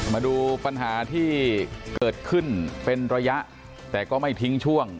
มาดูปัญหาที่เกิดขึ้นเป็นระยะแต่ก็ไม่ทิ้งช่วง